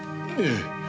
ええ。